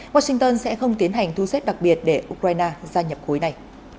washington sẽ không tiến hành thu xếp đặc biệt để ukraine gia nhập khối này